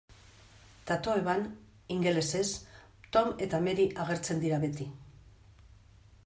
Tatoeban, ingelesez, Tom eta Mary agertzen dira beti.